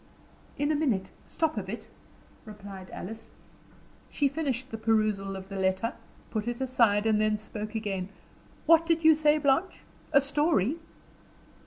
"In a minute. Stop a bit," replied Alice. She finished the perusal of the letter, put it aside, and then spoke again. "What did you say, Blanche? A story?"